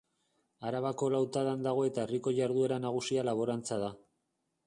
Arabako Lautadan dago eta herriko jarduera nagusia laborantza da.